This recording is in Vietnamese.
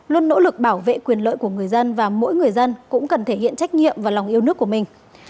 luôn nỗ lực bảo vệ quyền lợi của người dân và mỗi người dân cũng cần thể hiện trách nhiệm và lòng yêu nước của mình